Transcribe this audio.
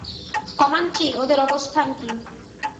Comanche, ওদের অবস্থান কী?